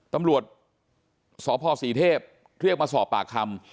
ตำรวจสพศรีเทพเรียกมาสอบปากคำ